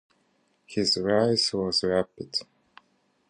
His rise was rapid.